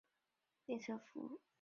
教堂大道车站列车服务。